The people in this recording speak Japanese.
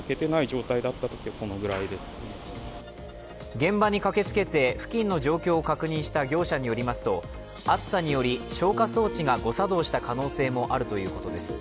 現場に駆けつけて付近の状況を確認した業者によりますと暑さにより消火装置が誤作動した可能性もあるということです。